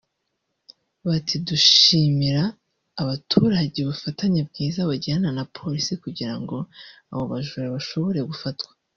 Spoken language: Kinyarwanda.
Ati “Dushimira abaturage ubufatanye bwiza bagiranye na Polisi kugira ngo abo bajura bashobore gufatwa